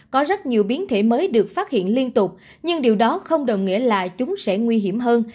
có rất nhiều biến thể mới được phát hiện liên tục nhưng điều đó không đồng nghĩa là chúng sẽ nguy hiểm hơn